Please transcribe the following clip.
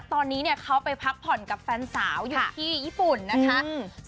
ตอนนี้เนี่ยเขาไปพักผ่อนกับแฟนสาวอยู่ที่ญี่ปุ่นนะคะ